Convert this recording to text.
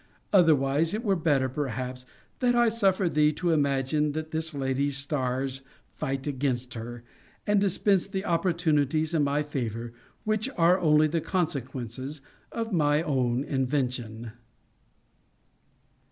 Otherwise, it were better, perhaps, that I suffer thee to imagine that this lady's stars fight against her, and dispense the opportunities in my favour, which are only the consequences of my own invention.